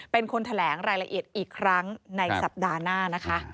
เป็นคนแถลงรายละเอียดอีกครั้งในสัปดาห์หน้านะคะ